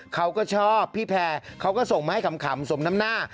เขาก็ชอบพี่แพร่เขาก็ส่งมาให้ขำสมน้ำหน้า